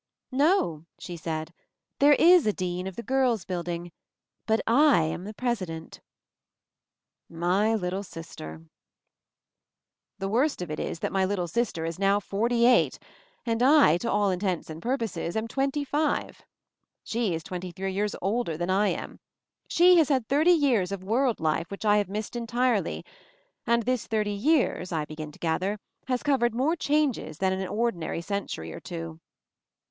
"No," die said. "There is a dean of the girl's building — but I am the president/' My little sister! •••••• The worst of it is that my little sister is now forty eight, and I — to all intents and purposes — am twenty five! She is twenty three years older than I am. She has had thirty years of world life which I have missed entirely, and this thirty years, I be gin to gather, has covered more changes than an ordinary century or two.